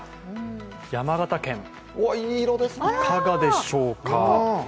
山形県、いかがでしょうか？